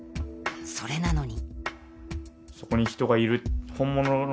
それなのに。